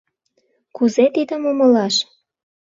Кузе тидым умылаш?